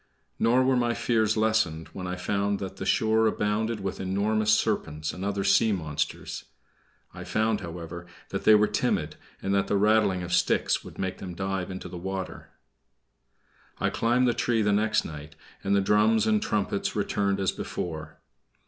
Nor were my fears lessened when I found that the shore abounded with enormous serpents and other sea monsters. I found, however, that they were timid, and that the rattling of sticks would make them dive into the water. [Illustration: Sindbad the Sailor We Rowed as Fast as we Could] I climbed the tree next night, and the drums and trumpets returned as before.